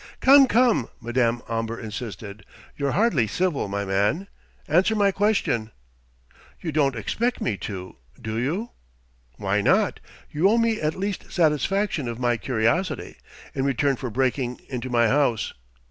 "Come, come!" Madame Omber insisted. "You're hardly civil, my man. Answer my question!" "You don't expect me to do you?" "Why not? You owe me at least satisfaction of my curiosity, in return for breaking into my house."